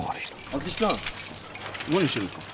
明智さん何してるんですか？